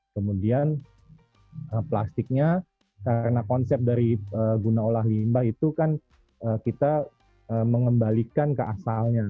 kemudian plastiknya karena konsep dari guna olah limbah itu kan kita mengembalikan ke asalnya